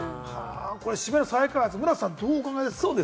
渋谷の再開発、村瀬さん、どうお考えですか？